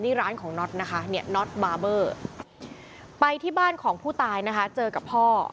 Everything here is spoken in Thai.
นี่ร้านของน็อตนะคะเนี่ยน็อตบาร์เบอร์ไปที่บ้านของผู้ตายนะคะเจอกับพ่อ